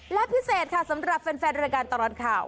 และพิเศษค่ะสำหรับแฟนรายการตลอดข่าว